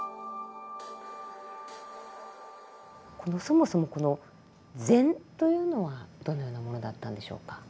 そもそもこの禅というのはどのようなものだったんでしょうか？